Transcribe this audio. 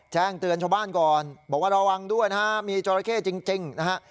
แจ้งเตือนชาวบ้านก่อนบอกว่าระวังด้วยนะฮะมีจราเข้จริงนะฮะ